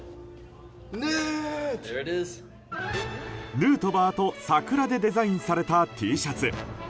ヌートバーと桜でデザインされたＴシャツ。